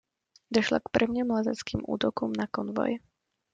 Došlo k prvním leteckým útokům na konvoj.